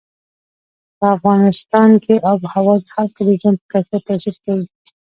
په افغانستان کې آب وهوا د خلکو د ژوند په کیفیت تاثیر کوي.